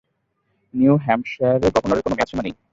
New হ্যাম্পশায়ারে গভর্নরের কোনো মেয়াদসীমা নেই।